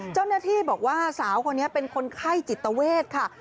เจ้าหน้าที่บอกว่าสาวคนนี้เป็นคนไข้จิตเวทค่ะ